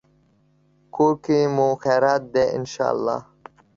کور کې مو خیریت دی، ان شاءالله